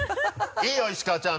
いいよ石川ちゃん！